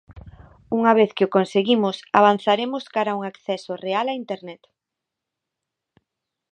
Unha vez que o conseguimos avanzaremos cara a un acceso real a Internet.